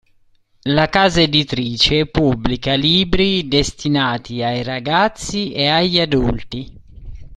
La casa editrice pubblica libri destinati ai ragazzi e agli adulti.